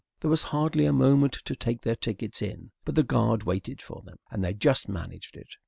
There was hardly a moment to take their tickets in. But the guard waited for them, and they just managed it.